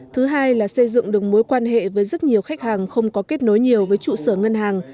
thứ hai là xây dựng được mối quan hệ với rất nhiều khách hàng không có kết nối nhiều với trụ sở ngân hàng